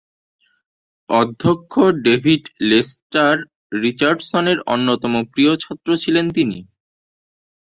অধ্যক্ষ David Lester রিচার্ডসনের অন্যতম প্রিয় ছাত্র ছিলেন তিনি।